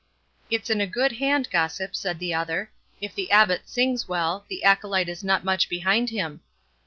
'It's in a good hand, gossip,' said the other; 'if the abbot sings well, the acolyte is not much behind him.